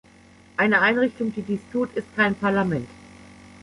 Eine Einrichtung, die dies tut, ist kein Parlament.